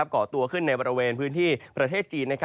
เกาะตัวขึ้นในบริเวณพื้นที่ประเทศจีน